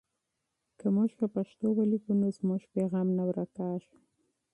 که موږ په پښتو ولیکو نو زموږ پیغام نه ورکېږي.